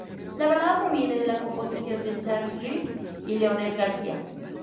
La balada proviene de la composición de Schajris y Leonel García.